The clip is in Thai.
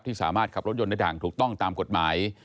สามารถขับรถยนต์ได้อย่างถูกต้องตามกฎหมาย